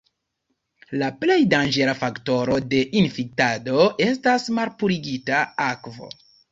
La plej danĝera faktoro de infektado estas malpurigita akvo.